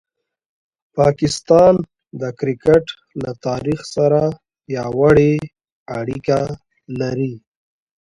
پاکستان د کرکټ له تاریخ سره پیاوړې اړیکه لري.